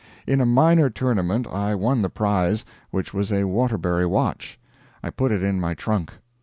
In a minor tournament I won the prize, which was a Waterbury watch. I put it in my trunk.